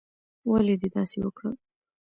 ولې دې داسې وکړل؟